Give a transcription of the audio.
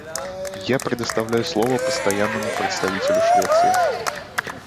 Я предоставляю слово Постоянному представителю Швеции.